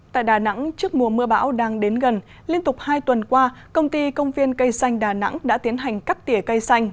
tại đà nẵng trước mùa mưa bão đang đến gần liên tục hai tuần qua công ty công viên cây xanh đà nẵng đã tiến hành cắt tỉa cây xanh